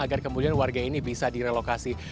agar kemudian warga ini bisa direlokasi